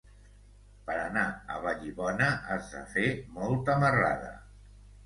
Per anar a Vallibona has de fer molta marrada.